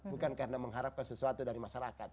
bukan karena mengharapkan sesuatu dari masyarakat